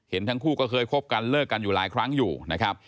ทั้งคู่ก็เคยคบกันเลิกกันอยู่หลายครั้งอยู่นะครับ